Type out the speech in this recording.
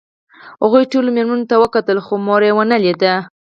هغه ټولو مېرمنو ته وکتل خو مور یې ونه لیده